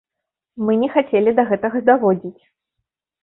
Мы не хацелі да гэтага даводзіць.